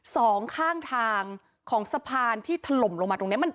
สองข้างทางของสะพานที่ถล่มลงมาตรงนี้มัน